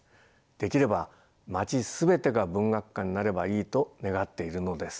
できれば街全てが文学館になればいいと願っているのです。